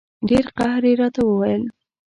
ډېر قهر یې راته وویل.